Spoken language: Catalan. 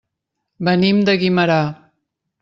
Venim de Guimerà.